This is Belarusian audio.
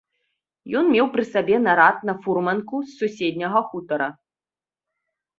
Ён меў пры сабе нарад на фурманку з суседняга хутара.